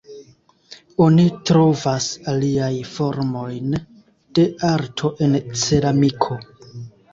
Oni trovas aliaj formojn de arto en ceramiko.